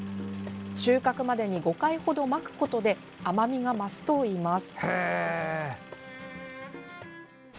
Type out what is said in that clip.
収穫までに５回程、まくことで甘みが増すといいます。